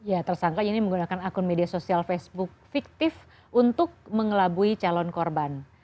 ya tersangka ini menggunakan akun media sosial facebook fiktif untuk mengelabui calon korban